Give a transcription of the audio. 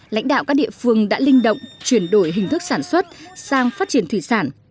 lãnh đạo các địa phương đã linh động chuyển đổi hình thức sản xuất sang phát triển thủy sản